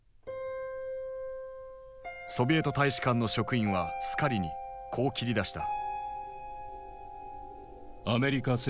ソビエト大使館の職員はスカリにこう切り出した。